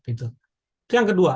itu yang kedua